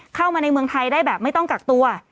เข้ามาในเมืองไทยได้แบบไม่ต้องกักตัว